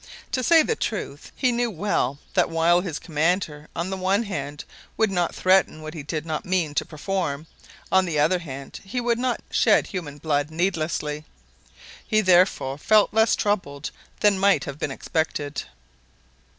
To say the truth, he knew well that while his commander, on the one hand, would not threaten what he did not mean to perform, on the other hand he would never shed human blood needlessly. He therefore felt less troubled than might have been expected.